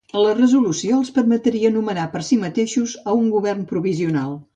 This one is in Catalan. La resolució els permetria nomenar per si mateixos a un govern provisional.